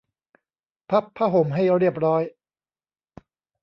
พับผ้าห่มให้เรียบร้อย